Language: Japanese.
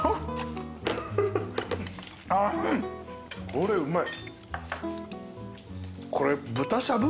これうまい。